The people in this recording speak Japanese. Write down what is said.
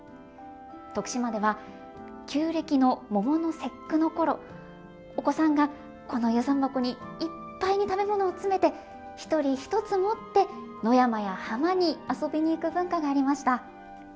徳島では旧暦の桃の節句の頃お子さんがこの遊山箱にいっぱいに食べ物を詰めて１人１つ持って野山や浜に遊びに行く文化がありました。